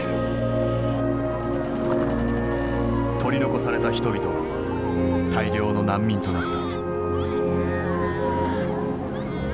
取り残された人々は大量の難民となった。